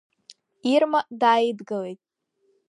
Ирма дааидгылеит.